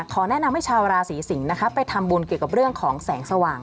ขอแนะนำให้ชาวราศีสิงศ์นะคะไปทำบุญเกี่ยวกับเรื่องของแสงสว่าง